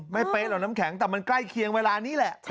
เป๊ะหรอกน้ำแข็งแต่มันใกล้เคียงเวลานี้แหละ